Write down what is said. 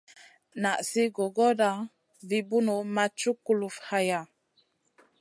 Nan sli gogoda vi bunu ma cuk kulufn hayna.